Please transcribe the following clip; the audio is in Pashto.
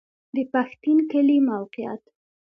د پښتین کلی موقعیت